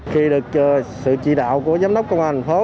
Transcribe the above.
khi được sự chỉ đạo của giám đốc công an thành phố